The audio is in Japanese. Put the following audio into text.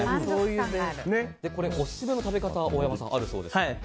これ、オススメの食べ方が大山さん、あるそうですね。